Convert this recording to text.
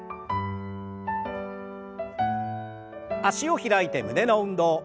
脚を開いて胸の運動。